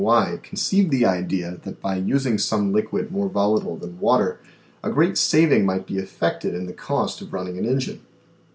Y., conceived the idea that by using some liquid more volatile than water, a great saving might be PERPETUAL MOTION 67 effected in the cost of running an engine.